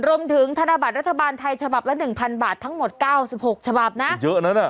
รวมถึงธนบัตรรัฐบาลไทยฉบับละหนึ่งพันบาททั้งหมดเก้าสิบหกฉบับน่ะเยอะนะน่ะ